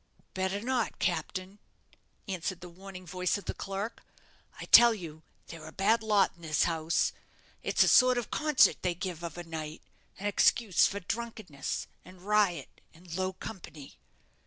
"Better not, captain," answered the warning voice of the clerk. "I tell you they're a bad lot in this house. It's a sort of concert they give of a night; an excuse for drunkenness, and riot, and low company.